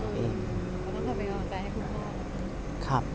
คุณต้องควรไปต่อการจะให้คุณพ่อ